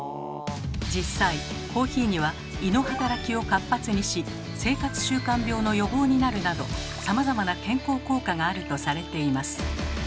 実際コーヒーには胃の働きを活発にし生活習慣病の予防になるなどさまざまな健康効果があるとされています。